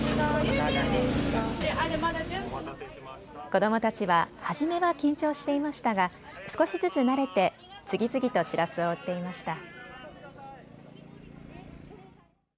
子どもたちは初めは緊張していましたが少しずつ慣れて次々としらすを売っていました。